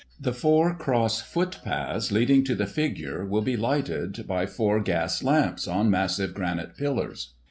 The four cross footpaths leading to the figure will be lighted by four gas lamps, on massive granite pillars.